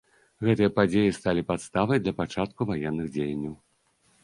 Гэтыя падзеі сталі падставай да пачатку ваенных дзеянняў.